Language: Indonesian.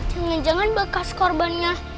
jangan jangan bekas korbannya